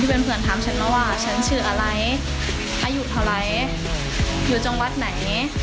เพื่อนถามฉันมาว่าฉันชื่ออะไรอายุเท่าไหร่อยู่จังหวัดไหน